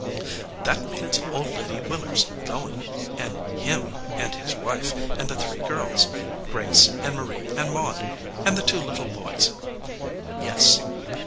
"That means Old Lady Willard s goin , and Him, and his Wife, and the three girls, Grace and Marie and Maud, and the two little boys." "Yes."